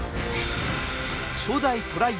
初代トライ